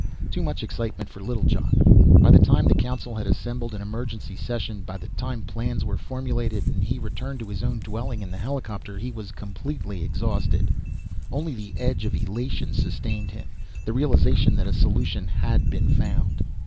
Too much excitement for Littlejohn. By the time the council had assembled in emergency session, by the time plans were formulated and he returned to his own dwelling in the helicopter, he was completely exhausted. Only the edge of elation sustained him; the realization that a solution had been found.